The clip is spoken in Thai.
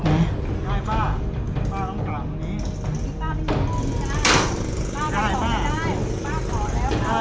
ถ้ารถเข็นไปเนี่ย